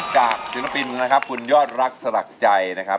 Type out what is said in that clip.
ศิลปินนะครับคุณยอดรักสลักใจนะครับ